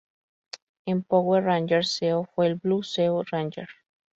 En Power Rangers Zeo fue el Blue Zeo Ranger.